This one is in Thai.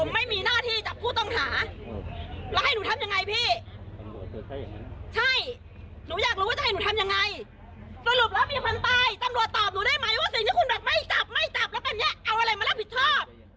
ขอไม่จับแล้วแบบนี้เอาอะไรมารับผิดทอบ